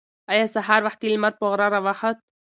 ایا سهار وختي لمر په غره راوخوت؟